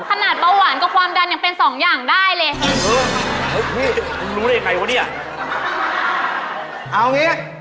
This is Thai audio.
อันนี้ไม่เกี่ยวกับน้าน้าแล้วนะ